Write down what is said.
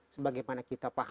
sebagai mana kita pandangnya